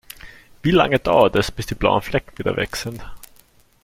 Wie lange dauert es, bis die blauen Flecken wieder weg sind?